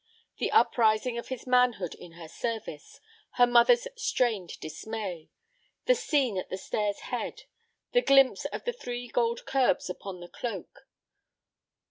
The uprising of his manhood in her service; her mother's strained dismay; the scene at the stair's head; the glimpse of the three gold curbs upon the cloak.